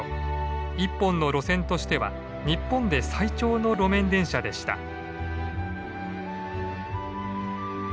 １本の路線としては日本で最長の路面電車でした。